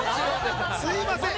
すみません。